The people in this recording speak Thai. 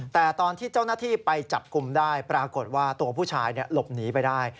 แต่ตอนที่เจ้าหน้าที่ไปจับกลุ่มได้ปรากฏว่าตัวผู้ชายหลบหนีไปได้